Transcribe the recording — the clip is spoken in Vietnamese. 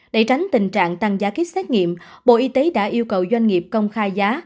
để tránh tình trạng tăng giá kích xét nghiệm bộ y tế đã yêu cầu doanh nghiệp công khai giá